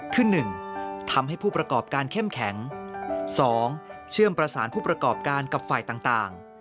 คือ๑ทำให้ผู้ประกอบการเข้มแข็ง๒เชื่อมประสานผู้ประกอบการกับฝ่ายต่าง